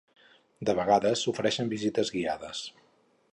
De vegades s'ofereixen visites guiades.